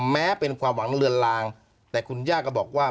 แม้เป็นความหวังเลือนลางแต่คุณย่าก็บอกว่า